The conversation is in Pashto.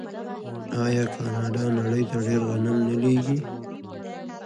آیا کاناډا نړۍ ته ډیر غنم نه لیږي؟